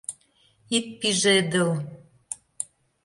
— Ит пижедыл!